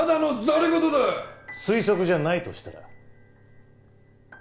推測じゃないとしたら？